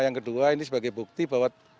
yang kedua ini sebagai bukti bahwa